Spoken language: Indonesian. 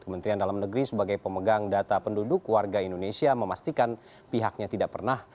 kementerian dalam negeri sebagai pemegang data penduduk warga indonesia memastikan pihaknya tidak pernah